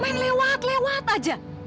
main lewat lewat aja